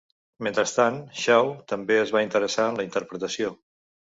Mentrestant, Shaw també es va interessar en la interpretació.